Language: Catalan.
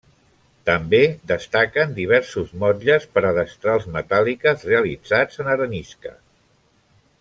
També destaquen diversos motlles per a destrals metàl·liques realitzats en arenisca.